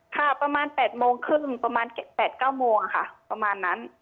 ค่ะประมาณ๘โมงครึ่งประมาณ๘๙โมงค่ะประมาณนั้น